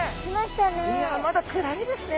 いやまだ暗いですね。